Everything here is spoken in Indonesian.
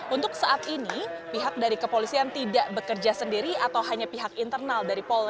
untuk saat ini pihak dari kepolisian tidak bekerja sendiri atau hanya pihak internal dari polri